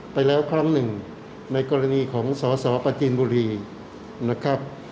ไปแล้วครั้งหนึ่งในกรณีของสสปจีนบุรีนะครับ